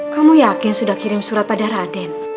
kamu yakin sudah kirim surat pada raden